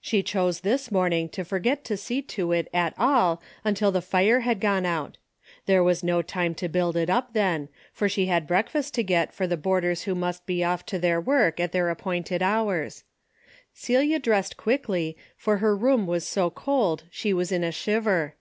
She chose this morning to forget to see to it at all until the fire had gone out. There was no time to build it up then, for she had breakfast to get for the boarders who must be off to their work at their appointed hours. Celia dressed quickly, for her room was so cold she was in a shiver.